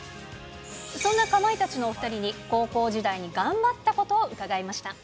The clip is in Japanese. そんなかまいたちのお２人に、高校時代に頑張ったことを伺いました。